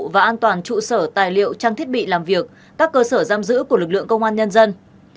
và an toàn trụ sở tài liệu trang thiết bị làm việc các cơ sở giam giữ của lực lượng công an nhân dân